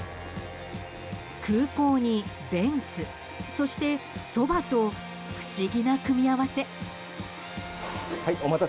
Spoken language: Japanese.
空港にベンツ、そしてそばと不思議な組み合わせ。